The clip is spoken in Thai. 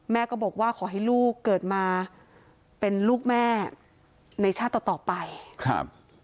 แม่ก็บอกว่าขอให้ลูกเกิดมาเป็นลูกแม่ในชาติต่อต่อไปครับ